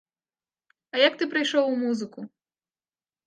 А як ты прыйшоў у музыку?